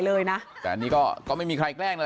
เลยนะแต่อันนี้ก็ก็ไม่มีใครแกล้งเลย